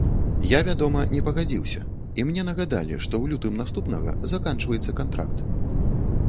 Я, вядома не пагадзіўся, і мне нагадалі, што ў лютым наступнага заканчваецца кантракт.